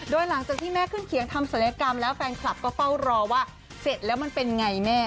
โดยหลังจากที่แม่ขึ้นเขียงทำศัลยกรรมแล้วแฟนคลับก็เฝ้ารอว่าเสร็จแล้วมันเป็นไงแม่